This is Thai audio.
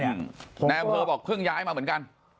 นายอำเภอบอกเพิ่งย้ายมาเหมือนกัน